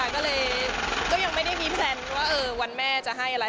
ก็เลยก็ยังไม่ได้มีแพลนว่าวันแม่จะให้อะไร